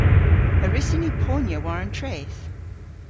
A wrussyn ni ponya war an treth?